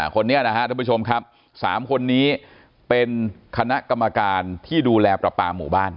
คนนี้นะครับท่านผู้ชมครับ๓คนนี้เป็นคณะกรรมการที่ดูแลประปาหมู่บ้าน